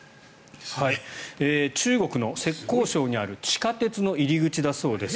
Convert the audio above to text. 中国の浙江省にある地下鉄の入り口だそうです。